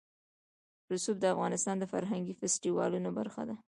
رسوب د افغانستان د فرهنګي فستیوالونو برخه ده.